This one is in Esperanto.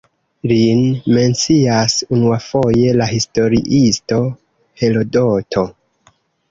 Lin mencias unuafoje la historiisto Herodoto.